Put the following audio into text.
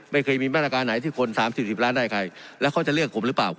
ไม่เคยมีมาตรการไหนที่คน๓๔๐ล้านได้ใครแล้วเขาจะเลือกผมหรือเปล่า